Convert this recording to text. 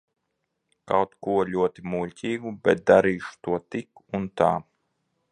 Kaut ko ļoti muļķīgu, bet darīšu to tik un tā.